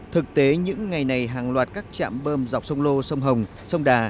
thực tế những ngày này hàng loạt các trạm bơm dọc sông lô sông hồng sông đà